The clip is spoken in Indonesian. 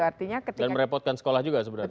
dan merepotkan sekolah juga sebenarnya